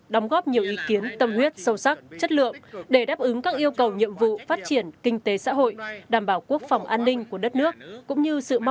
đóng góp nhiều ý kiến tâm huyết sâu sắc chất lượng để đáp ứng các yêu cầu nhiệm vụ phát triển